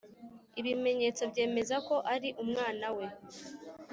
ibimenyetso byemeza ko ari umwana we